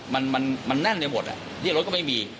มันแน่นในหมดนี่รถก็ไม่มี